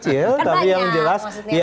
terserah anda menerjemahkan itu besar atau kecil